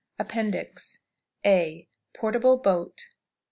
APPENDIX. A. _Portable Boat.